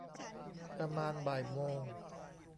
ประมาณบ่ายโมง